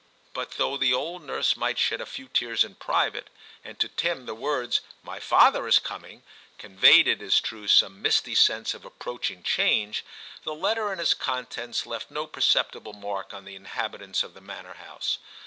But though the old nurse might shed a few tears in private, and to Tim the words * My father is coming ' conveyed, it is true, some misty sense of approaching change, the letter and its contents left no perceptible mark on the inhabitants of the manor house.